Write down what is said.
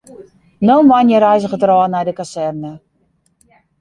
No moandei reizget er ôf nei de kazerne.